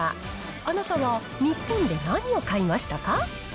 あなたは日本で何を買いましたか？